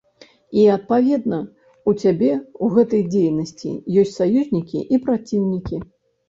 І, адпаведна, у цябе ў гэтай дзейнасці ёсць саюзнікі і праціўнікі.